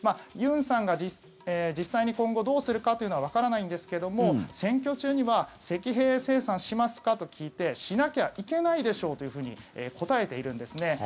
ユンさんが実際に今後どうするかというのはわからないんですけども選挙中には積弊清算しますか？と聞いてしなきゃいけないでしょうと答えているんですね。